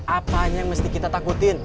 apanya yang mesti kita takutin